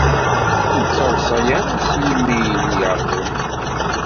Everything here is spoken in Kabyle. Ur ttadṣa ara s yimi-nnem yerẓem.